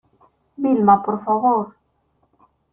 Vilma, por favor.